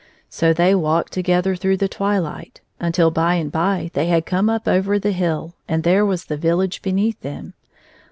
So they walked together through the twiUght, until by and by they had come up over the hill, and there was the village beneath them.